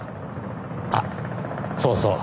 あっそうそう。